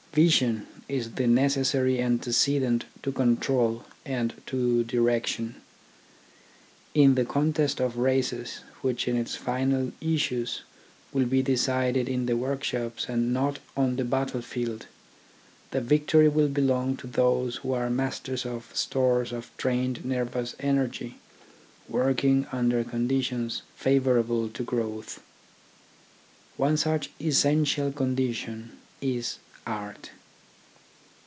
Vision is the necessary antecedent to control and to direction. In the contest of races which in its final issues will be decided in the workshops and not on the battle field, the victory will belong to those who are masters of stores of trained nervous energy, working under conditions favour able to growth. One such essential condition is Art.